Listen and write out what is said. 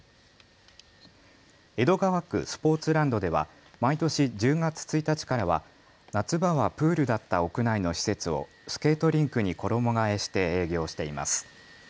江戸川区スポーツランドでは毎年１０月１日からは夏場はプールだった屋内の施設をスケートリンクに衣がえして営業しています。